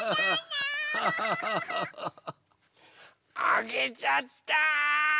あげちゃった！